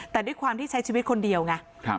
แต่ด้วยความที่ใช้ชีวิตคนเดียวไง